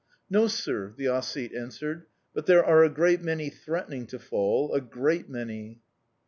"No, sir," the Ossete answered; "but there are a great many threatening to fall a great many."